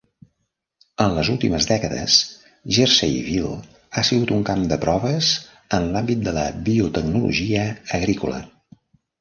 En les últimes dècades, Jerseyville ha sigut un camp de proves en l'àmbit de la biotecnologia agrícola.